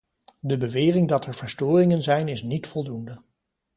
De bewering dat er verstoringen zijn is niet voldoende.